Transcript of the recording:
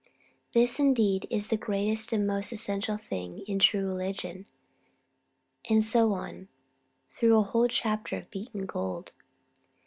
This, indeed, is the greatest and the most essential thing in true religion." And so on through a whole chapter of beaten gold.